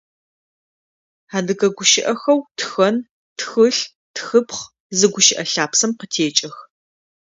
Адыгэ гущыӏэхэу «тхэн», «тхылъ», «тхыпхъ» зы гущыӏэ лъапсэм къытекӏых.